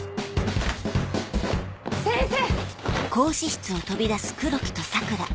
先生！